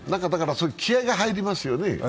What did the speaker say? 気合いが入りますよね。